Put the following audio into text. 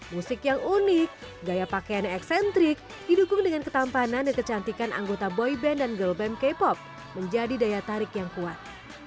musik yang unik gaya pakaiannya eksentrik didukung dengan ketampanan dan kecantikan anggota boyband dan girl band k pop menjadi daya tarik yang kuat